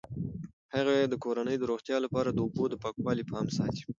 هغې د کورنۍ د روغتیا لپاره د اوبو د پاکوالي پام ساتي.